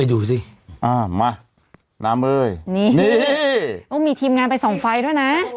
ไปดูสิอ้าวมาน้ำเอ่ยนี่นี่มีทีมงานไปส่องไฟด้วยน่ะ